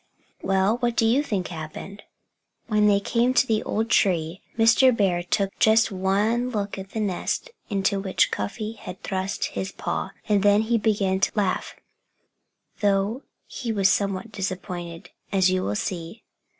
Well what do you think happened? When they came to the old tree Mr. Bear took just one look at the nest into which Cuffy had thrust his paw. And then he began to laugh, though he was somewhat disappointed, as you will see.